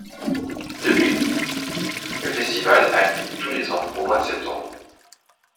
Depuis, le Festival a lieu tous les ans au mois de septembre.